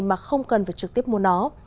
mà không cần phải trực tiếp mua nó